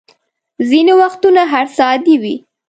ځینې وختونه هر څه عادي وي.